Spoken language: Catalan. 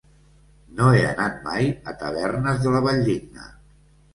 No he anat mai a Tavernes de la Valldigna.